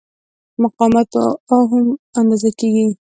مقاومت په اوهم اندازه کېږي.